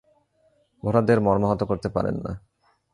ভোটারদের মর্মাহত করতে পারেন না।